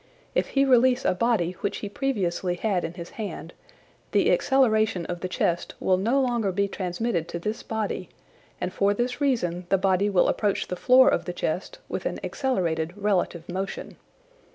If he releases a body which he previously had in his land, the accelertion of the chest will no longer be transmitted to this body, and for this reason the body will approach the floor of the chest with an accelerated relative motion.